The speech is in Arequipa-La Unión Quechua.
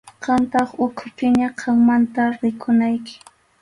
Qamtaq ukhupiña, qammanta rikunayki.